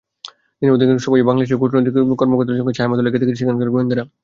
দিনের অধিকাংশ সময়ই বাংলাদেশের কূটনীতিক-কর্মকর্তাদের সঙ্গে ছায়ার মতো লেগে থেকেছে সেখানকার গোয়েন্দারা।